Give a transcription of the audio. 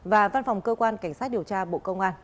và văn phòng cơ quan cảnh sát điều tra bộ công an